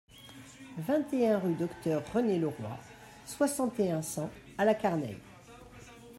vingt et un rue Docteur René Leroy, soixante et un, cent à La Carneille